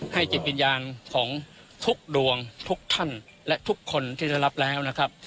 จิตวิญญาณของทุกดวงทุกท่านและทุกคนที่ได้รับแล้วนะครับ